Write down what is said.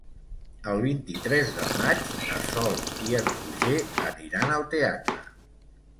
El vint-i-tres de maig na Sol i en Roger aniran al teatre.